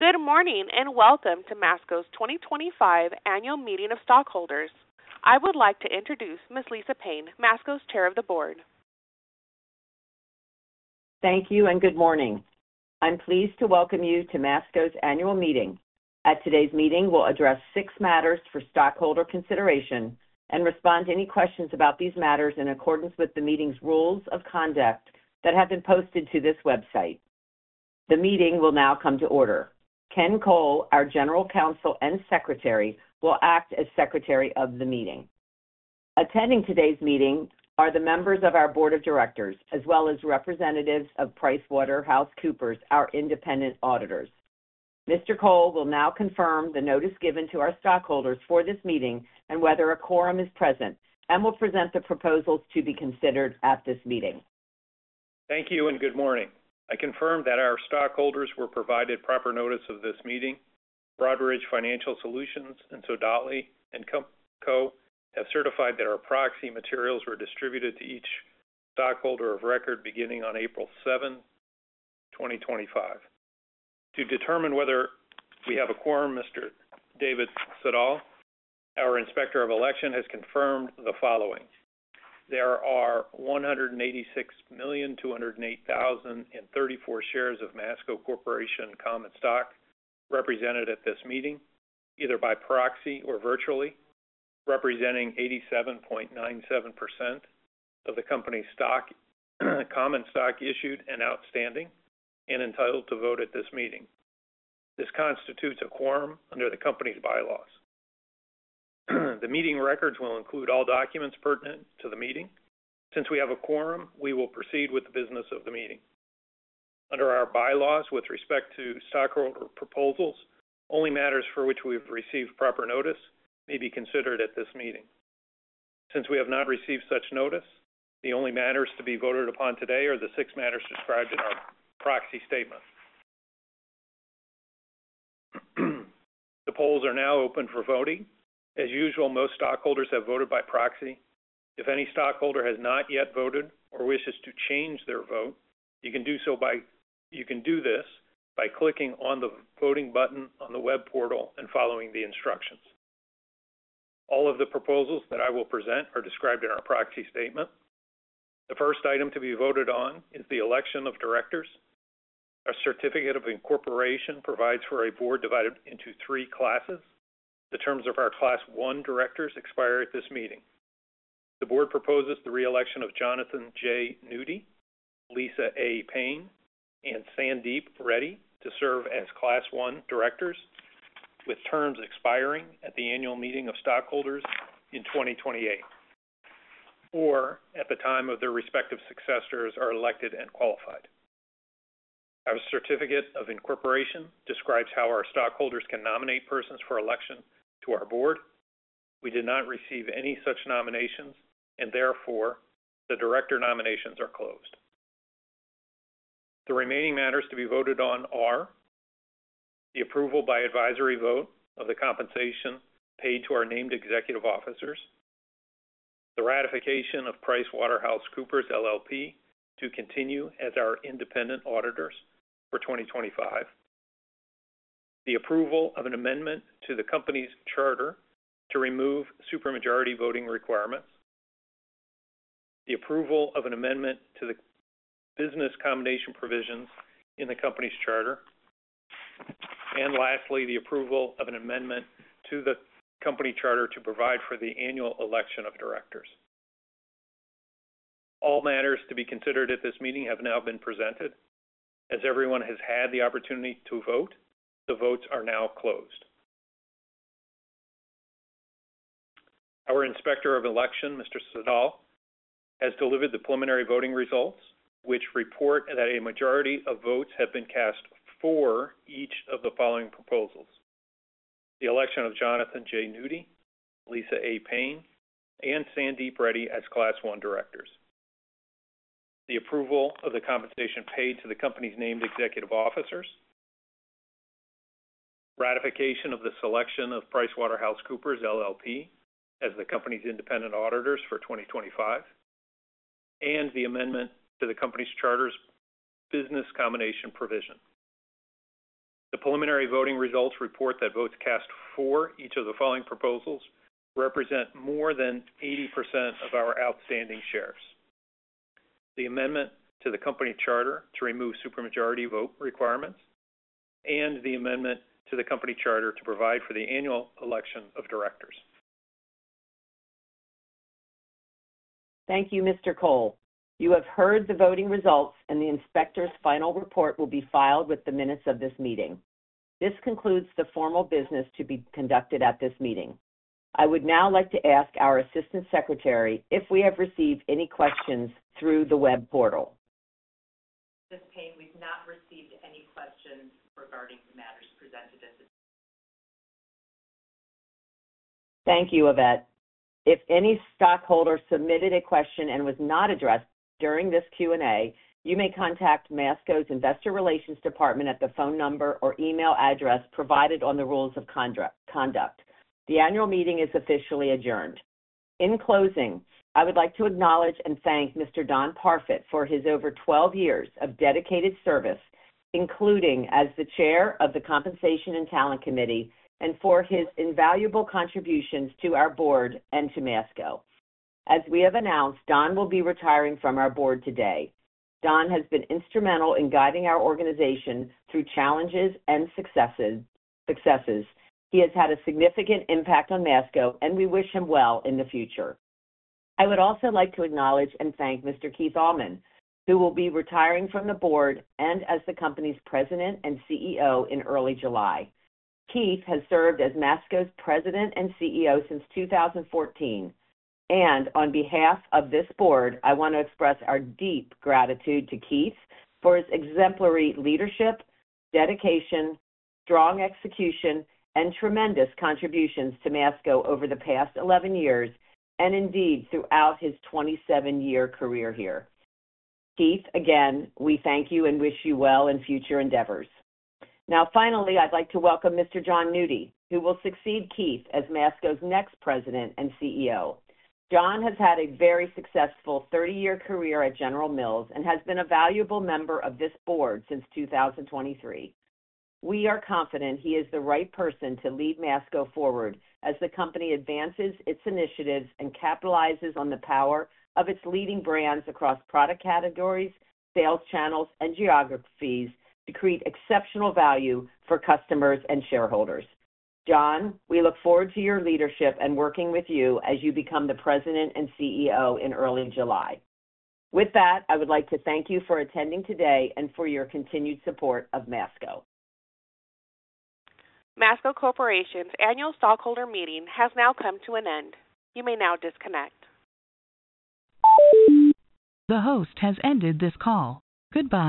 Good morning and welcome to Masco's 2025 Annual Meeting of Stockholders. I would like to introduce Ms. Lisa Payne, Masco's Chair of the Board. Thank you and good morning. I'm pleased to welcome you to Masco's Annual Meeting. At today's meeting, we'll address six matters for stockholder consideration and respond to any questions about these matters in accordance with the meeting's rules of conduct that have been posted to this website. The meeting will now come to order. Ken Cole, our General Counsel and Secretary, will act as Secretary of the Meeting. Attending today's meeting are the members of our Board of Directors, as well as representatives of PricewaterhouseCoopers, our independent auditors. Mr. Cole will now confirm the notice given to our stockholders for this meeting and whether a quorum is present, and will present the proposals to be considered at this meeting. Thank you and good morning. I confirm that our stockholders were provided proper notice of this meeting. Broadridge Financial Solutions and Sodali & Co. have certified that our proxy materials were distributed to each stockholder of record beginning on April 7, 2025. To determine whether we have a quorum, Mr. David Soudal, our Inspector of Election, has confirmed the following: there are 186,208,034 shares of Masco Corporation common stock represented at this meeting, either by proxy or virtually, representing 87.97% of the company's common stock issued and outstanding, and entitled to vote at this meeting. This constitutes a quorum under the company's bylaws. The meeting records will include all documents pertinent to the meeting. Since we have a quorum, we will proceed with the business of the meeting. Under our bylaws, with respect to stockholder proposals, only matters for which we have received proper notice may be considered at this meeting. Since we have not received such notice, the only matters to be voted upon today are the six matters described in our proxy statement. The polls are now open for voting. As usual, most stockholders have voted by proxy. If any stockholder has not yet voted or wishes to change their vote, you can do this by clicking on the voting button on the web portal and following the instructions. All of the proposals that I will present are described in our proxy statement. The first item to be voted on is the election of directors. Our certificate of incorporation provides for a board divided into three classes. The terms of our Class 1 directors expire at this meeting. The board proposes the reelection of Jonathon J. Nudi, Lisa A. Payne, and Sandeep Reddy to serve as Class 1 directors, with terms expiring at the annual meeting of stockholders in 2028, or at the time their respective successors are elected and qualified. Our certificate of incorporation describes how our stockholders can nominate persons for election to our board. We did not receive any such nominations, and therefore, the director nominations are closed. The remaining matters to be voted on are the approval by advisory vote of the compensation paid to our named executive officers, the ratification of PricewaterhouseCoopers LLP to continue as our independent auditors for 2025, the approval of an amendment to the company's charter to remove supermajority voting requirements, the approval of an amendment to the business combination provisions in the company's charter, and lastly, the approval of an amendment to the company charter to provide for the annual election of directors. All matters to be considered at this meeting have now been presented. As everyone has had the opportunity to vote, the votes are now closed. Our Inspector of Election, Mr. Saudal, has delivered the preliminary voting results, which report that a majority of votes have been cast for each of the following proposals: the election of Jonathon J. Nudi, Lisa A. Payne, and Sandeep Reddy as Class 1 directors, the approval of the compensation paid to the company's named executive officers, ratification of the selection of PricewaterhouseCoopers LLP as the company's independent auditors for 2025, and the amendment to the company's charter's business combination provision. The preliminary voting results report that votes cast for each of the following proposals represent more than 80% of our outstanding shares: the amendment to the company charter to remove supermajority vote requirements and the amendment to the company charter to provide for the annual election of directors. Thank you, Mr. Cole. You have heard the voting results, and the inspector's final report will be filed with the minutes of this meeting. This concludes the formal business to be conducted at this meeting. I would now like to ask our Assistant Secretary if we have received any questions through the web portal. Ms. Payne, we've not received any questions regarding the matters presented at this meeting. Thank you, Yvette. If any stockholder submitted a question and was not addressed during this Q&A, you may contact Masco's Investor Relations Department at the phone number or email address provided on the rules of conduct. The annual meeting is officially adjourned. In closing, I would like to acknowledge and thank Mr. Don Parfet for his over 12 years of dedicated service, including as the Chair of the Compensation and Talent Committee, and for his invaluable contributions to our board and to Masco. As we have announced, Don will be retiring from our board today. Don has been instrumental in guiding our organization through challenges and successes. He has had a significant impact on Masco, and we wish him well in the future. I would also like to acknowledge and thank Mr. Keith Allman, who will be retiring from the board and as the company's President and CEO in early July. Keith has served as Masco's President and CEO since 2014, and on behalf of this board, I want to express our deep gratitude to Keith for his exemplary leadership, dedication, strong execution, and tremendous contributions to Masco over the past 11 years and indeed throughout his 27-year career here. Keith, again, we thank you and wish you well in future endeavors. Now, finally, I'd like to welcome Mr. Jonathon Nudi, who will succeed Keith as Masco's next President and CEO. Jon has had a very successful 30-year career at General Mills and has been a valuable member of this board since 2023. We are confident he is the right person to lead Masco forward as the company advances its initiatives and capitalizes on the power of its leading brands across product categories, sales channels, and geographies to create exceptional value for customers and shareholders. John, we look forward to your leadership and working with you as you become the President and CEO in early July. With that, I would like to thank you for attending today and for your continued support of Masco. Masco Corporation's Annual Stockholder Meeting has now come to an end. You may now disconnect. The host has ended this call. Goodbye.